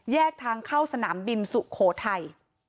ทางเข้าสนามบินสุโขทัย